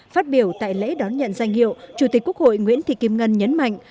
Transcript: phát biểu tại lễ đón nhận danh hiệu chủ tịch quốc hội nguyễn thị kim ngân nhấn mạnh